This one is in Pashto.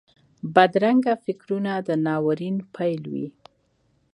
بدرنګه فکرونه د ناورین پیل وي